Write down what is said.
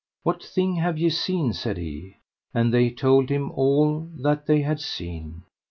What thing have ye seen? said he. And they told him all that they had seen.